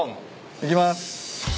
いきます。